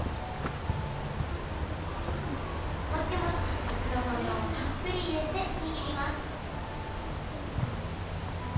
モチモチした黒豆をたっぷり入れて握ります